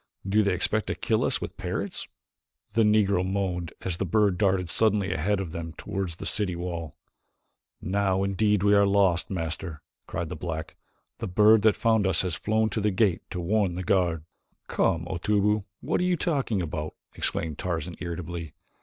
"Do they expect to kill us with parrots?" The Negro moaned as the bird darted suddenly ahead of them toward the city wall. "Now indeed are we lost, Master," cried the black. "The bird that found us has flown to the gate to warn the guard." "Come, Otobu, what are you talking about?" exclaimed Tarzan irritably.